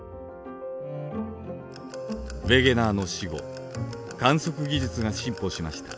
ウェゲナーの死後観測技術が進歩しました。